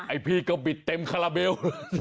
ไอ้พี่ก็บิดเต็มคาราเบล